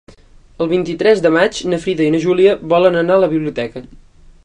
El vint-i-tres de maig na Frida i na Júlia volen anar a la biblioteca.